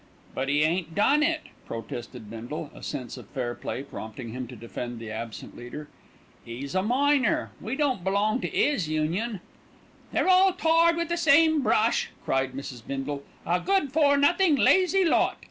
"But 'e ain't done it," protested Bindle, a sense of fair play prompting him to defend the absent leader. "'E's a miner. We don't belong to 'is Union." "They're all tarred with the same brush," cried Mrs. Bindle, "a good for nothing, lazy lot.